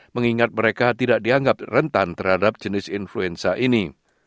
mengingat mereka tidak dianggap rentan terhadap jenis influenza ini